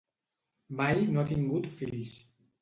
Mai no ha tingut fills.